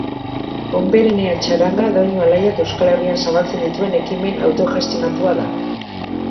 Bonberenea txaranga, doinu alaiak Euskal Herrian zabaltzen dituen ekimen autogestionatua da.